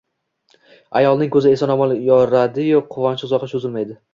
Ayolning ko‘zi eson-omon yoradi-yu, quvonchi uzoqqa cho‘zilmaydi